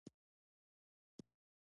په کور کي هغه څوک ارزښت نلري چي ګټه نلري.